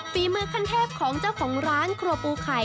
ฝีมือขั้นเทพของเจ้าของร้านครัวปูไข่